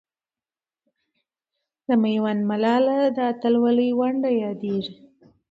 د میوند ملالۍ د اتلولۍ ونډه یادېږي.